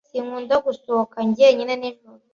Sinkunda gusohoka jyenyine nijoro.